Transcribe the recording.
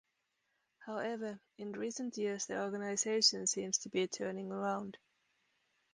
However, in recent years the organization seems to be turning around.